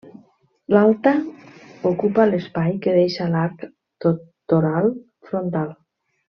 L'alta ocupa l'espai que deixa l'arc toral frontal.